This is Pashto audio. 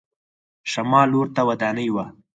شمال لور ته ودانۍ وه.